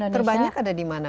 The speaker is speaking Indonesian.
terbanyak ada di mana